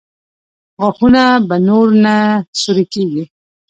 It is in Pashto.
غاښونه به نور نه سوري کېږي؟